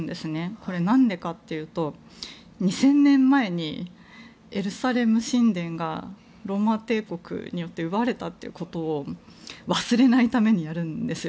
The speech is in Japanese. これ、何でかというと２０００年前にエルサレム神殿がローマ帝国によって奪われたということを忘れないためにやるんですよ。